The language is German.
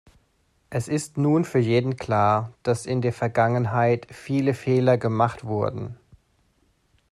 Es ist nun für jeden klar, dass in der Vergangenheit viele Fehler gemacht wurden.